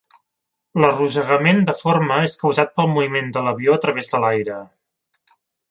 L'arrossegament de forma és causat pel moviment de l'avió a través de l'aire.